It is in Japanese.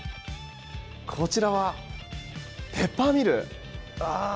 こちらはペッパーミル！